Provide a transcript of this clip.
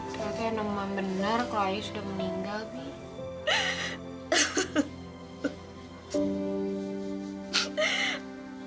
tentu yang namam benar kalau ayahnya sudah meninggal bik